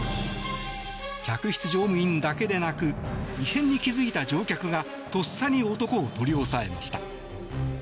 客室乗務員だけでなく異変に気付いた乗客がとっさに男を取り押さえました。